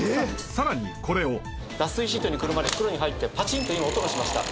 さらにこれを脱水シートにくるまれ袋に入ってパチンと今音がしました